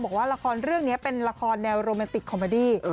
บอกว่าละครเรื่องนี้เป็นละครแนวโรแมนติกคอมเบอร์ดี้